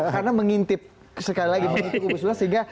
karena mengintip sekali lagi mengintip ustazullah sehingga